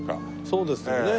そうですよね。